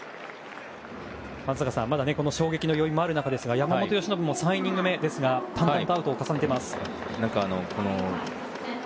松坂さん、まだ衝撃の余韻もある中ですが山本由伸も３イニング目ですが淡々とアウトを重ねています。